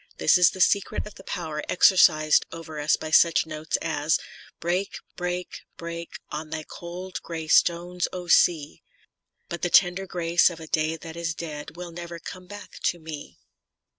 This is the secret of the power exercised over us by such notes as : Break, break, break On thy cold gray stones, O Sea !••« But the tender grace of a day that is dead Will never come back to me.